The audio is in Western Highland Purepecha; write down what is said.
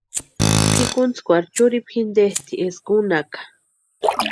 Pʼikuntskwarhu churhipu jintesti eska únhaka.